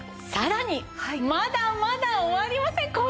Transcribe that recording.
さらにまだまだ終わりません。